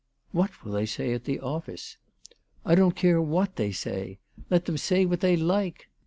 " What will they say at the office ?"" I don't care what they say. Let them say what they like.